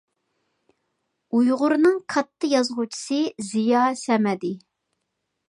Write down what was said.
ئۇيغۇرنىڭ كاتتا يازغۇچىسى زىيا سەمەدى.